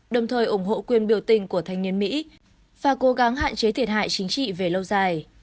đồng thời ủng hộ quyền biểu tình của thanh niên mỹ và cố gắng hạn chế thiệt hại chính trị về lâu dài